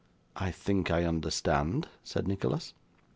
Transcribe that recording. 'I think I understand,' said Nicholas.